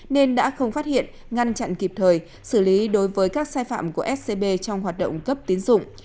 nên đã không phát hiện ngăn chặn kịp thời xử lý đối với các sai phạm của scb trong hoạt động cấp tiến dụng